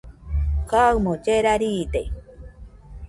kaɨmo llera riide